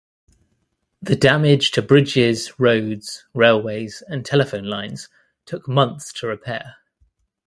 The damage to bridges, roads, railways and telephone lines took months to repair.